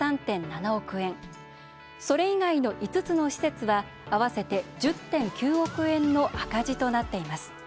それ以外の５つの施設は合わせて１０．９億円の赤字となっています。